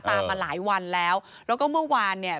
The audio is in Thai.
มาหลายวันแล้วแล้วก็เมื่อวานเนี่ย